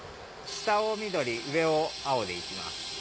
下を緑上を青でいきます。